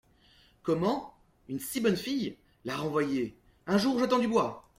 Comment ! une si bonne fille ! la renvoyer… un jour où j’attends du bois !